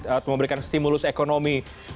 atau memberikan stimulus ekonomi